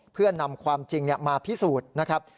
เพื่อนำความจริงมาพิสูจน์นะครับ